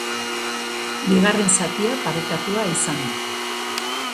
Bigarren zatia parekatua izan da.